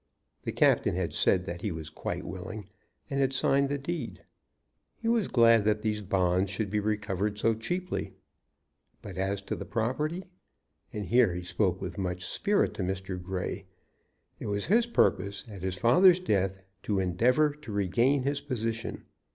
The captain had said that he was quite willing, and had signed the deed. He was glad that these bonds should be recovered so cheaply. But as to the property, and here he spoke with much spirit to Mr. Grey, it was his purpose at his father's death to endeavor to regain his position.